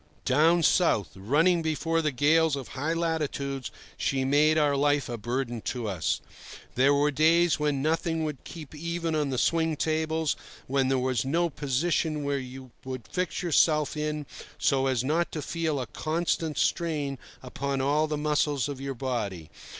Down south, running before the gales of high latitudes, she made our life a burden to us. There were days when nothing would keep even on the swing tables, when there was no position where you could fix yourself so as not to feel a constant strain upon all the muscles of your body.